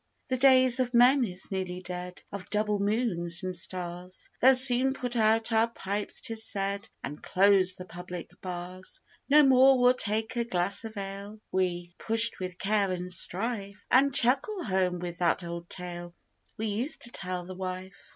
The days of men is nearly dead of double moons and stars They'll soon put out our pipes, 'tis said, an' close the public bars. No more we'll take a glass of ale when pushed with care an' strife, An' chuckle home with that old tale we used to tell the wife.